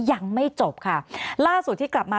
ยังไม่จบค่ะล่าสุดที่กลับมา